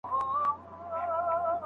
هغوی د خپلو کالیو په پاک ساتلو اخته دي.